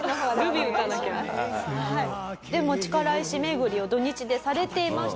力石巡りを土日でされていました。